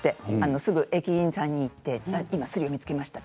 すぐ駅員さんに言って今、スリを見つけました。